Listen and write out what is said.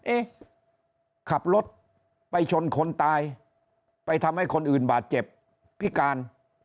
เอ๊ะขับรถไปชนคนตายไปทำให้คนอื่นบาดเจ็บพิการ